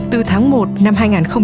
từ tháng một năm hai nghìn một mươi tám